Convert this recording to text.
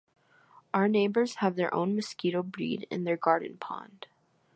Our neighbors have their own mosquito breed in their garden pond.